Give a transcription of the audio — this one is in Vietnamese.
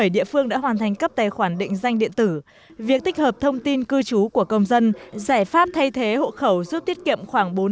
bốn mươi bảy địa phương đã hoàn thành cấp tài khoản định danh điện tử việc tích hợp thông tin cư trú của công dân giải pháp thay thế hộ khẩu giúp tiết kiệm khoảng bốn mươi triệu đồng